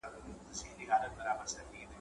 نه بیرغ نه به قانون وي نه پر نوم سره جوړیږو ,